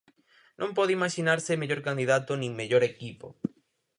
Non pode imaxinarse mellor candidato nin mellor equipo.